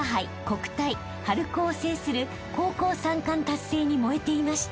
国体春高を制する高校三冠達成に燃えていました］